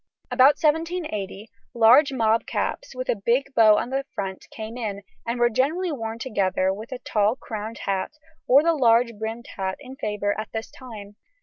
About 1780 large mob caps with a big bow on the front came in, and were generally worn together with the tall crowned hat or the large brimmed hat in favour at this time.